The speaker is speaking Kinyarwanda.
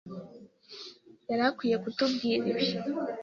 yari akwiye kutubwira ibi.